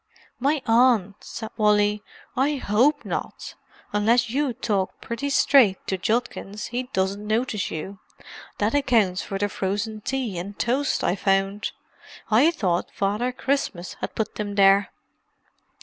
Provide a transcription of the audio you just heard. "My Aunt!" said Wally. "I hope not—unless you talk pretty straight to Judkins he doesn't notice you. That accounts for the frozen tea and toast I found; I thought Father Christmas had put 'em there."